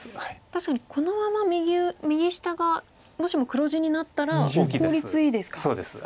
確かにこのまま右下がもしも黒地になったら効率いいですか。